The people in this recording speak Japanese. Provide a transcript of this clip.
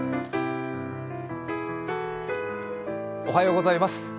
おはようございます。